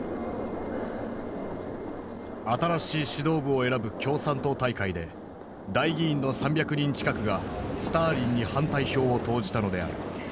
新しい指導部を選ぶ共産党大会で代議員の３００人近くがスターリンに反対票を投じたのである。